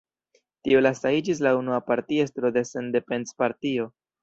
Tiu lasta iĝis la unua partiestro de Sendependecpartio.